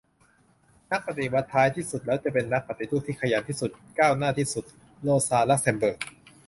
"นักปฏิวัติท้ายที่สุดแล้วจะเป็นนักปฏิรูปที่ขยันที่สุด ก้าวหน้าที่สุด " - โรซา ลักเซมเบิร์ก